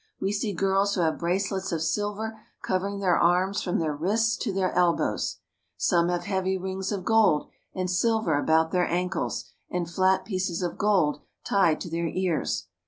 We see girls who have bracelets of silver covering their arms from their wrists to the elbows. Some have heavy rings of gold and silver about their ankles, and flat pieces of gold tied to their ears.